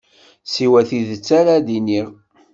Siwa tidet ara d-iniɣ.